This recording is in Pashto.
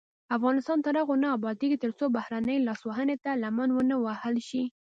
افغانستان تر هغو نه ابادیږي، ترڅو بهرنۍ لاسوهنې ته لمن ونه وهل شي.